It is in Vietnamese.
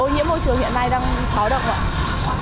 với môi trường hiện nay đang phá động ạ